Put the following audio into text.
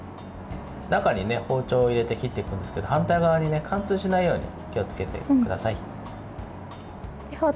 中に包丁を入れて切っていくんですけど反対側に貫通しないように気をつけてください。